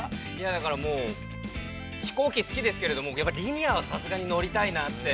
◆だから、もう飛行機好きですけれどもやっぱり、リニアはさすがに乗りたいなって。